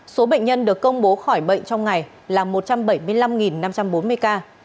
số bệnh nhân được công bố khỏi bệnh trong ngày là một trăm bảy mươi năm năm trăm bốn mươi ca